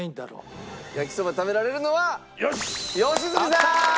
焼きそば食べられるのは良純さん！